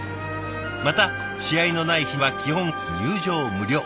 また試合のない日は基本入場無料。